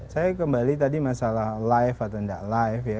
saya kembali tadi masalah live atau enggak live